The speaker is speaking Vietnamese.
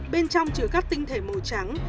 bên trong chứa các tinh thể màu trắng